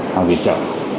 họ viện trợ